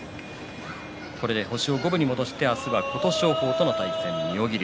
これで星を五分に戻して明日は琴勝峰との対戦です妙義龍。